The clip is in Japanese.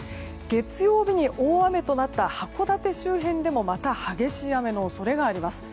月曜日に大雨となった函館周辺でもまた激しい雨の恐れがあります。